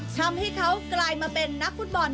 ทำให้เขากลายมาเป็นนักฟุตบอล